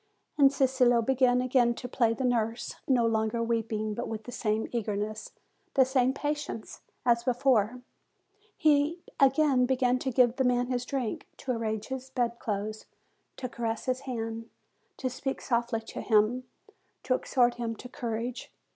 And Cicillo began again to play the nurse, no longer weeping, but with the same eagerness, the same patience, as before; he again began to give the man his drink, to arrange his bed clothes, to caress his hand, to speak softly to him, to exhort him to courage.